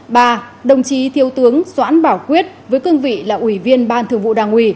ba đồng chí thiếu tướng doãn bảo quyết với cương vị là ủy viên ban thường vụ đảng ủy